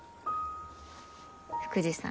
福治さん